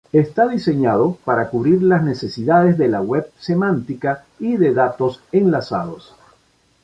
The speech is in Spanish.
Está diseñado para cubrir las necesidades de la web semántica y de datos enlazados.